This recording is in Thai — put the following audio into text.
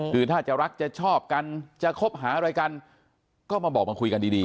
คือถ้าจะรักจะชอบกันจะคบหาอะไรกันก็มาบอกมาคุยกันดี